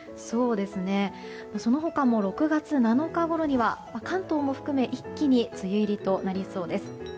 その他も６月７日ごろには関東も含めて一気に梅雨入りとなりそうです。